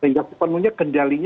sehingga sepenuhnya kendalinya